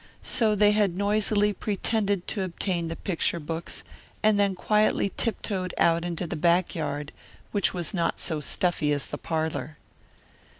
So they had noisily pretended to obtain the picture books and then quietly tiptoed out into the backyard, which was not so stuffy as the parlour.